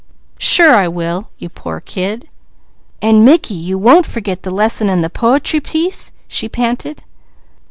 Sure I will, you poor kid!" "And Mickey, you won't forget the lesson and the po'try piece?" she panted.